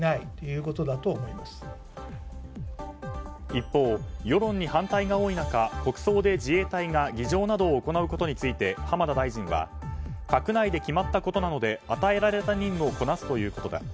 一方、世論に反対が多い中国葬で自衛隊が儀仗などを行うことについて、浜田大臣は閣内で決まったことなので与えられた任務をこなすということだ。